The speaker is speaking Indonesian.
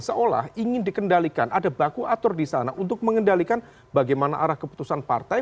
seolah ingin dikendalikan ada baku atur di sana untuk mengendalikan bagaimana arah keputusan partai